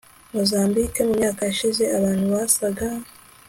Mozambike Mu myaka ishize abantu basaga